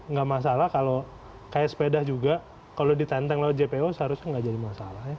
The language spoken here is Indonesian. jadi nggak masalah kalau seperti sepeda juga kalau ditenteng dengan jpo seharusnya nggak jadi masalah